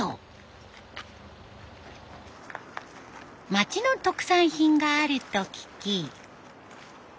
町の特産品があると聞き。